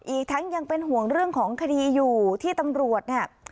อีกทั้งยังเป็นห่วงเรื่องของคดีอยู่ที่ตำรวจเนี่ย